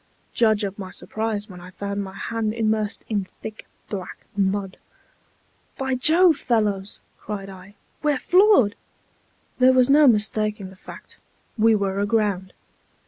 Judge of my surprise, when I found my hand immersed in thick black mud. "By Jove, fellows," cried I, "we're floored!" There was no mistaking the fact; we were aground.